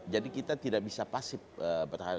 jadi kita tidak bisa pasif berharga